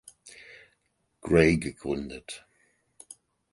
Gray gegründet.